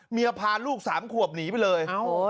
พาลูก๓ขวบหนีไปเลย